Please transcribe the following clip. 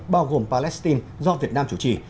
bao gồm palestine do việt nam chủ trì